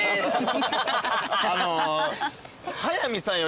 あの。